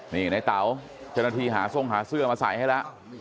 นี่ในเต๋าเจ้าหน้าที่หาทรงหาเสื้อมาใส่ให้แล้ว